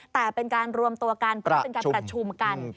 แต่เป็นการรวมตัวกันเพราะเป็นการประชุมกัน